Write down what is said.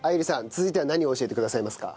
続いては何を教えてくださいますか？